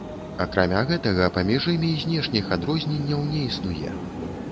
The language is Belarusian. Акрамя гэтага, паміж імі знешніх адрозненняў не існуе.